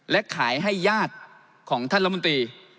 และขายให้ญาติของท่านรัฐมนตรี